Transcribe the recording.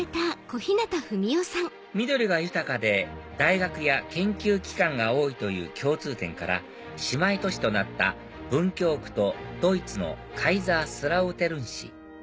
緑が豊かで大学や研究機関が多いという共通点から姉妹都市となった文京区とドイツのカイザースラウテルン市